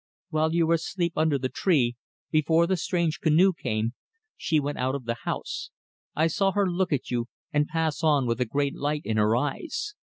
"While you were asleep under the tree, before the strange canoe came, she went out of the house. I saw her look at you and pass on with a great light in her eyes.